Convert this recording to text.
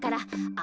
あ。